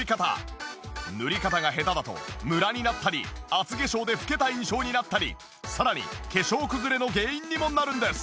塗り方が下手だとムラになったり厚化粧で老けた印象になったりさらに化粧崩れの原因にもなるんです。